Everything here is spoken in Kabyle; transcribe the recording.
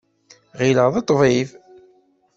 Ɣileɣ-t d ṭṭbib.